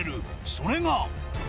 それが。